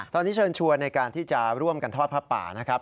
ตอนนี้เชิญชวนในการที่จะร่วมกันทอดผ้าป่านะครับ